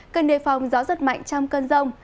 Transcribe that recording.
cần đề phòng gió rất mạnh trong cơn rông